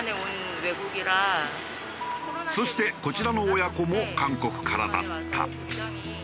そしてこちらの親子も韓国からだった。